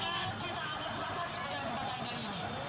kita ambil kota sebagainya ini